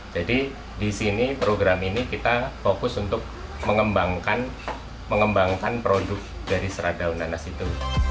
jadi disini program ini kita fokus untuk mengembangkan produk dari serat daun nanas itu